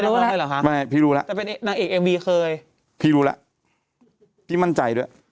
พี่หนุ่มรู้แล้วไม่พี่รู้ล่ะแต่เป็นนางเอกเอ็มวีเคยพี่รู้ล่ะพี่มั่นใจด้วย